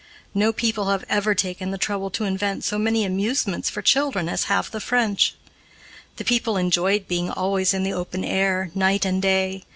No people have ever taken the trouble to invent so many amusements for children as have the French. The people enjoyed being always in the open air, night and day.